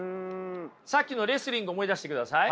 さっきのレスリングを思い出してください。